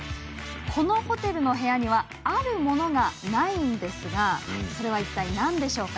このホテルの部屋にはあるものがないんですがそれは何でしょうか？